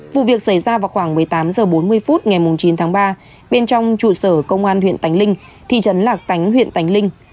vụ việc xảy ra vào khoảng một mươi tám h bốn mươi phút ngày chín tháng ba bên trong trụ sở công an huyện tánh linh thị trấn lạc tánh huyện tánh linh